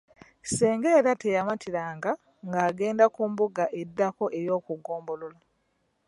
"Ssenga era teyamatiranga, ng’agenda mu mbuga eddako ey’oku Ggombolola."